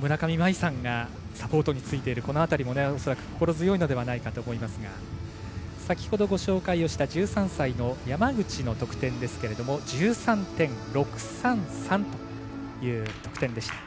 村上茉愛さんがサポートについているのも心強いと思いますが先ほどご紹介した１３歳の山口の得点ですが１３．６３３という得点でした。